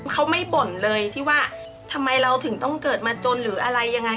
เขาไม่บ่นเลยที่ว่าทำไมเราถึงต้องเกิดมาจนหรืออะไรยังไง